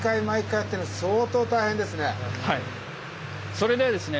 それではですね